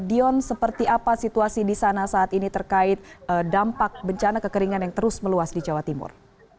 dion seperti apa situasi di sana saat ini terkait dampak bencana kekeringan yang terus meluas di jawa timur